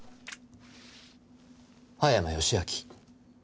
葉山義明。